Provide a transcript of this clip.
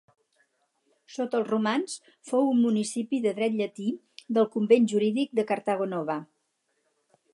Sota els romans fou un municipi de dret llatí del convent jurídic de Cartago Nova.